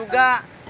udah sakit juga